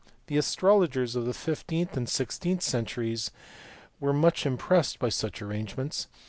The astrologers of the fifteenth and sixteenth centuries were much impressed by such arrangements.